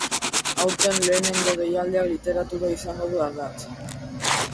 Aurten, lehenengo deialdiak literatura izango du ardatz.